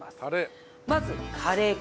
まずカレー粉。